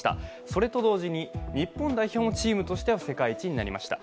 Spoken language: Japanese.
それと同時に、日本代表もチームとして世界一になりました。